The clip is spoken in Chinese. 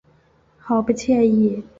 好不惬意